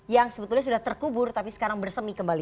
yang sebetulnya sudah terkubur tapi sekarang bersemi kembali